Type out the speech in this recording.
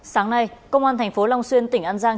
sáng nay công an tp long xuyên tỉnh an giang